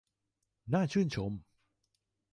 น่าชื่นชม